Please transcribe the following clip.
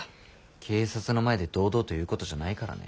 警察の前で堂々と言うことじゃないからね。